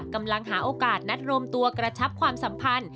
กำลังหาโอกาสนัดรวมตัวกระชับความสัมพันธ์